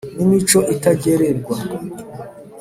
n ' imico itagererwa,